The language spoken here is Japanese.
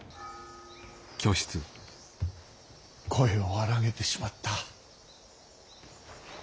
声を荒げてしまった。